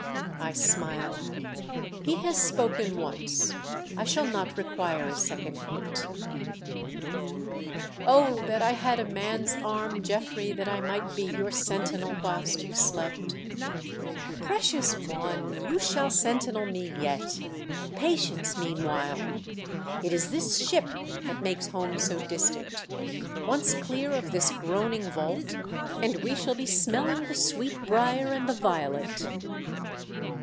I smiled. " He has spoken once; I shall not require a second hint.' MY SWEETHEART'S JOY. 337 " O ! that I had a man's arm, Geoffrey, that I might be your sentinel whilst you slept !"" Precious one ! You shall sentinel me yet ! Patience, meanwhile! It is this ship that makes home so distant. Once clear of this groaning vault and we shall be smelling the sweetbriar and the violet."